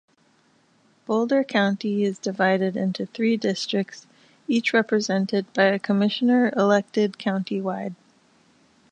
Boulder County is divided into three districts each represented by a commissioner elected county-wide.